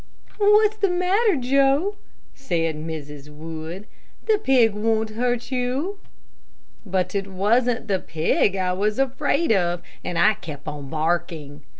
"What's the matter, Joe?" said Mrs. Wood; "the pig won't hurt you." But it wasn't the pig I was afraid of, and I kept on barking.